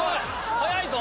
早いぞ！